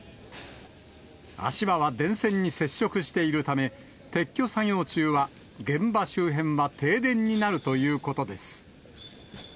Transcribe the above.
足場は電線に接触しているため、撤去作業中は、現場周辺は停電になるということです。